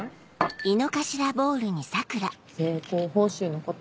成功報酬のこと。